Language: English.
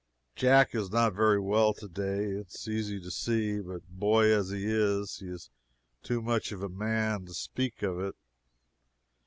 Jack is not very well to day, it is easy to see; but boy as he is, he is too much of a man to speak of it.